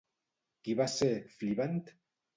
Qui va ser Floovant?